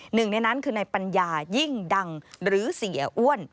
หนึ่งในนั้นคือในปัญญายิ่งดังหรือเสียอ้วน